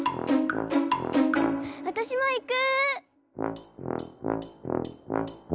わたしもいく！